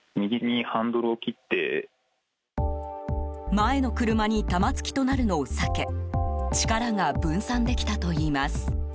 前の車に玉突きとなるのをさけ力が分散できたといいます。